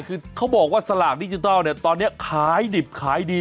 คือเขาบอกว่าสลากดิจิทัลเนี่ยตอนนี้ขายดิบขายดี